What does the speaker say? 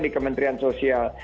di kementerian sosial